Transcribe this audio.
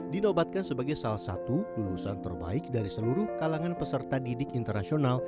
dinobatkan sebagai salah satu lulusan terbaik dari seluruh kalangan peserta didik internasional